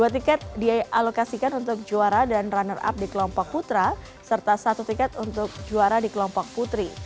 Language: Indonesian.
dua tiket dialokasikan untuk juara dan runner up di kelompok putra serta satu tiket untuk juara di kelompok putri